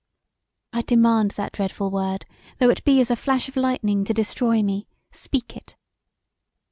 I demand that dreadful word; though it be as a flash of lightning to destroy me, speak it.